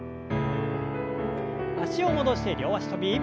脚を戻して両脚跳び。